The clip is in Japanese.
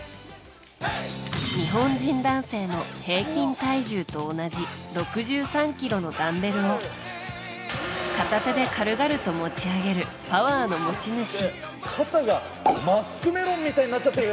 日本人男性の平均体重と同じ６３ｋｇのダンベルを片手で軽々と持ち上げるパワーの持ち主。